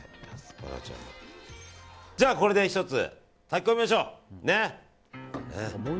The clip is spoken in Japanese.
じゃあ、これで１つ炊き込みましょう。